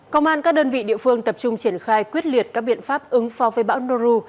công an các đơn vị địa phương tập trung triển khai quyết liệt các biện pháp ứng phó với bão noru